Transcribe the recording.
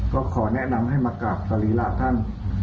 ก็ขอแนะนำให้มากราบสรีระท่าน